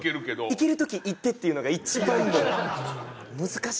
「いける時いって」っていうのが一番難しいですね。